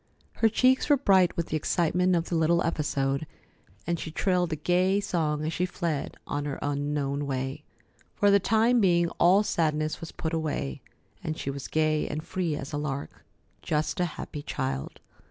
Her cheeks were bright with the excitement of the little episode, and she trilled a gay song as she fled on her unknown way. For the time being, all sadness was put away, and she was gay and free as a lark. Just a happy child.